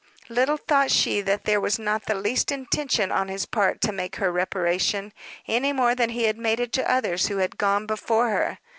Little thought she that there was not the least intention on his part to make her reparation, any more than he had made it to others who had gone before her.